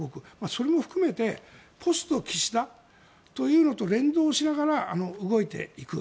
それも含めてポスト岸田と連動しながら動いていく。